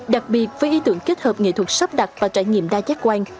đặc biệt với ý tưởng kết hợp nghệ thuật sắp đặt và trải nghiệm đa giác quan